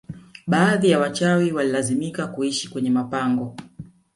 Baadhi ya wachawi walilazimika kuishi kwenye mapango